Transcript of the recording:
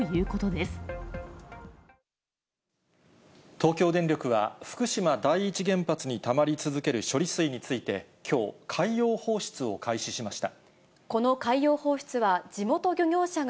東京電力は、福島第一原発にたまり続ける処理水について、きょう、海洋放出を開始しました。